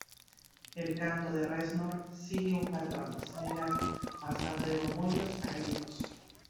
El canto de Reznor sigue un patrón similar, pasando de murmullos a gritos.